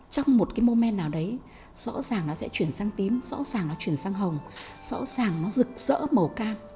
trong một cái mô men nào đấy rõ ràng nó sẽ chuyển sang tím rõ ràng nó chuyển sang hồng rõ ràng nó rực rỡ màu cam